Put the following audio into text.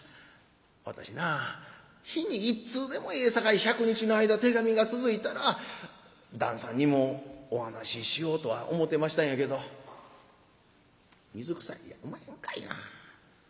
私なぁ日に１通でもええさかい１００日の間手紙が続いたら旦さんにもお話ししようとは思てましたんやけど水くさいやおまへんかいな。